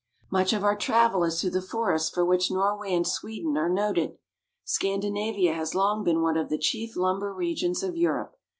Much of our travel is through the forests for which Nor way and Sweden are noted. Scandinavia has long been one of the chief lumber regions of Europe.